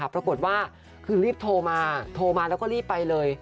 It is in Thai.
ปรากฏว่าคือรีบโทรมาโทรมาแล้วก็รีบไปเลย